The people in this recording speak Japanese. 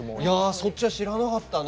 そっちは知らなかったね。